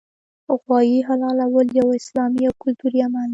غوايي حلالول یو اسلامي او کلتوري عمل دی